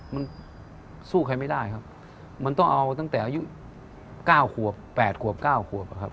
มันสู้ใครไม่ได้มันต้องเอาตั้งแต่อายุ๙๘๙ครับ